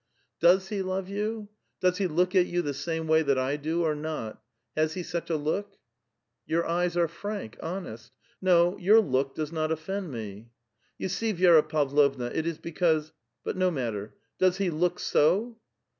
'" "Does he love you? does he look at you the same way that I do or not? has he such a look? "*' Your eyes are frank, honest. No; your look does not offend me." *' You see, Vi^ra Pavlovna, it is because — but no matter. Does he look so